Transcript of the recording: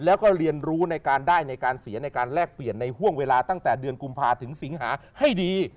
แล้วก็เรียนรู้ในการได้ในการเสียในการแลกเปลี่ยนในห่วงเวลาตั้งแต่เดือนกุมภาถึงสิงหาให้ดี